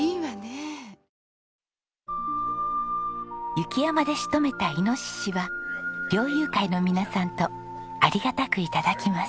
雪山で仕留めたイノシシは猟友会の皆さんとありがたく頂きます。